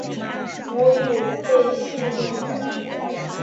我有被戏弄的感觉